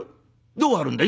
どう張るんだ？」。